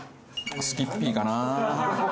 スキッピーかな。